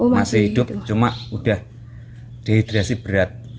masih hidup cuma udah dehidrasi berat